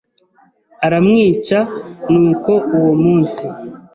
aramwica Nuko uwo munsi